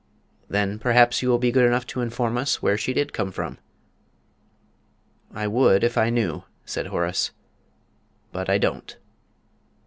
"Then perhaps you will be good enough to inform us where she did come from?" "I would if I knew," said Horace; "but I don't."